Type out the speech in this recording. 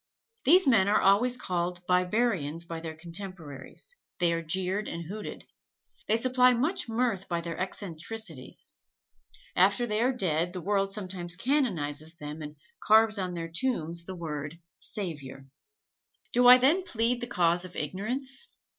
These men are always called barbarians by their contemporaries: they are jeered and hooted. They supply much mirth by their eccentricities. After they are dead the world sometimes canonizes them and carves on their tombs the word "Savior." Do I then plead the cause of ignorance?